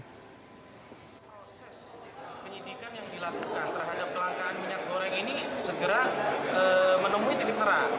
segera menemui titik terang